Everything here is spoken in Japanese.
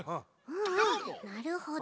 うんうんなるほど。